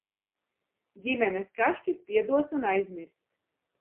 Ģimenes kašķis piedots un aizmirsts.